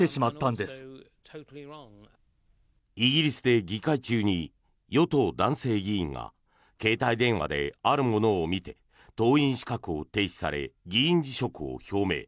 イギリスで議会中に与党男性議員が携帯電話であるものを見て党員資格を停止され議員辞職を表明。